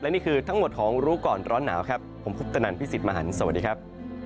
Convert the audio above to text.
นี่คือทั้งหมดของรู้ก่อนร้อนหนาวครับผมคุปตนันพี่สิทธิ์มหันฯสวัสดีครับ